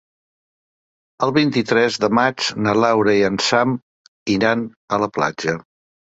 El vint-i-tres de maig na Laura i en Sam iran a la platja.